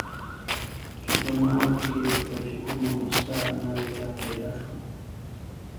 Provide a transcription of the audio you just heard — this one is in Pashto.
چې په ناوو کې به چې کومه مسته ناوې را پیدا شوه.